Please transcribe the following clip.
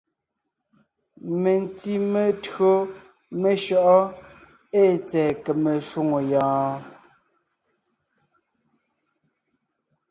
Mentí metÿǒ meshÿɔʼɔ́ ée tsɛ̀ɛ kème shwòŋo yɔɔn?